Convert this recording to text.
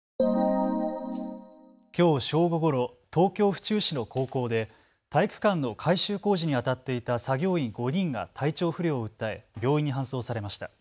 きょう正午ごろ、東京府中市の高校で体育館の改修工事にあたっていた作業員５人が体調不良を訴え病院に搬送されました。